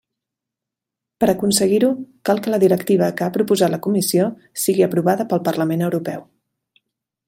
Per aconseguir-ho, cal que la directiva que ha proposat la Comissió sigui aprovada pel Parlament Europeu.